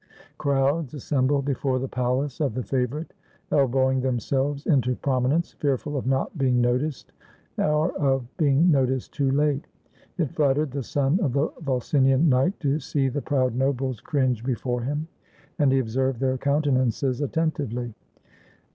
Crowds assembled before the palace of the favorite, elbowing themselves into prominence, fearful of not be ing noticed, or of being noticed too late. It flattered the son of the Vulsinian knight to see the proud nobles 420 THE FALL OF SEJANUS cringe before him, and he observed their countenances attentively.